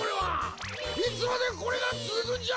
いつまでこれがつづくんじゃ！？